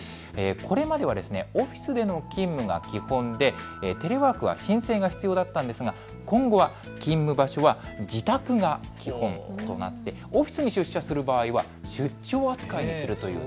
これまではオフィスでの勤務が基本でテレワークは申請が必要だったんですが今後は勤務場所は自宅が基本となってオフィスに出社する場合は出張扱いにするという。